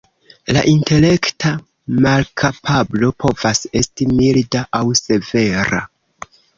La intelekta malkapablo povas esti milda aŭ severa.